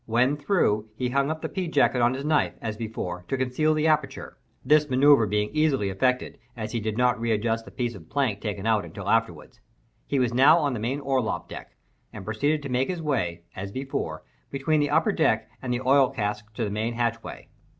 When through, he hung up the pea jacket on his knife, as before, to conceal the aperture—this manoeuvre being easily effected, as he did not readjust the piece of plank taken out until afterward. He was now on the main orlop deck, and proceeded to make his way, as before, between the upper deck and the oil casks to the main hatchway.